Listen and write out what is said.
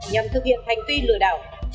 nhằm thực hiện hành vi lừa đảo